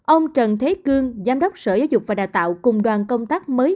ông trần thế cương giám đốc sở giáo dục và đào tạo cùng đoàn công tác mới